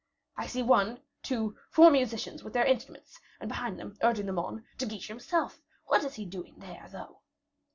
"I see one, two, four musicians with their instruments, and behind them, urging them on, De Guiche himself. What is he doing there, though?"